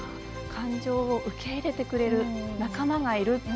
感情を受け入れてくれる仲間がいる。